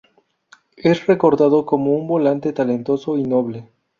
Es recordado como un volante talentoso y noble.